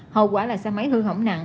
hậu quả là xe máy hư hỏng nặng